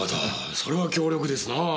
それは強力ですなぁ。